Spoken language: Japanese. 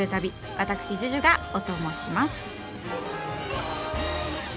私ＪＵＪＵがオトモします。